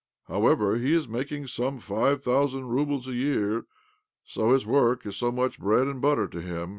However, he is making some five thousand roubles a year, so his work is so much bread and butter to him.